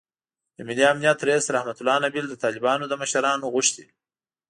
د ملي امنیت رییس رحمتالله نبیل د طالبانو له مشرانو غوښتي